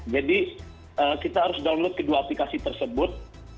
jadi kita harus download kedua aplikasi tersebut